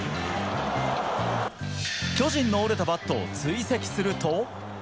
巨人の折れたバットを追跡すると。